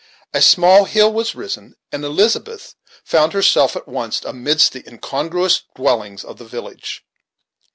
A small hill was risen, and Elizabeth found herself at once amidst the incongruous dwellings of the village.